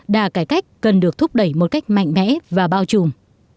đà cải cách cần được thúc đẩy một cách mạnh mẽ và bao trùm